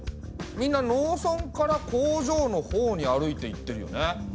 みんな農村から工場のほうに歩いていってるよね。